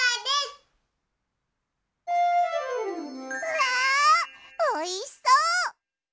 わあおいしそう！